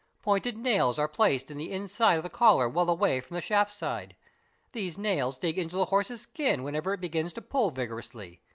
Pointed nails are placed in the inside of the collar well away from the shaft side. These nails dig into the horse's skin, whenever it begins to pull vigorously.